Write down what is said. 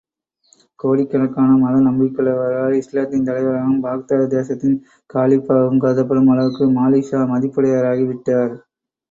கோடிக்கணக்கான மத நம்பிக்கையுள்ளவர்களால், இஸ்லாத்தின் தலைவராகவும், பாக்தாது தேசத்தின் காலிப்பாகவும் கருதப்படும் அளவுக்கு மாலிக்ஷா மதிப்புடையவராகி விட்டார்.